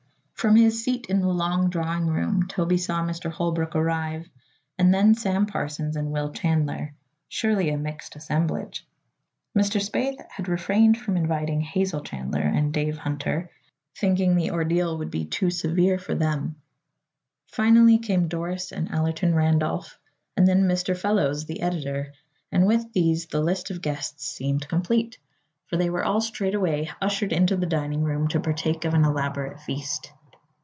From his seat in the long drawing room Toby saw Mr. Holbrook arrive, and then Sam Parsons and Will Chandler surely a mixed assemblage. Mr. Spaythe had refrained from inviting Hazel Chandler and Dave Hunter, thinking the ordeal would be too severe for them. Finally came Doris and Allerton Randolph and then Mr. Fellows, the editor, and with these the list of guests seemed complete, for they were all straightway ushered into the dining room to partake of an elaborate feast.